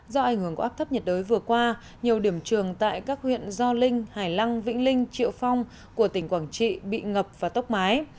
do ảnh hưởng của áp thấp nhiệt đới vừa qua nhiều điểm trường tại các huyện do linh hải lăng vĩnh linh triệu phong của tỉnh quảng trị bị ngập và tốc mái